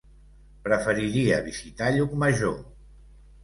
Preferiria visitar Llucmajor.